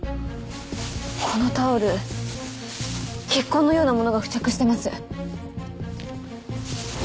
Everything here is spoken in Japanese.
このタオル血痕のようなものが付着してます。